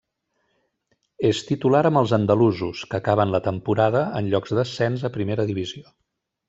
És titular amb els andalusos, que acaben la temporada en llocs d'ascens a primera divisió.